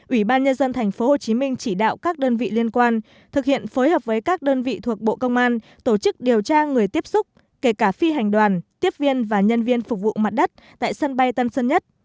ủy ban nhân dân tp hcm chỉ đạo các đơn vị liên quan thực hiện phối hợp với các đơn vị thuộc bộ công an tổ chức điều tra người tiếp xúc kể cả phi hành đoàn tiếp viên và nhân viên phục vụ mặt đất tại sân bay tân sơn nhất